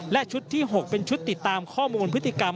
และชุดที่๖เป็นชุดติดตามข้อมูลพฤติกรรม